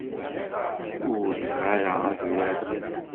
Ur riɣ ara ad urareɣ.